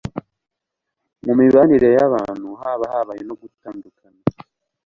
mu mibanire y'abantu, haba habaye ho gutandukana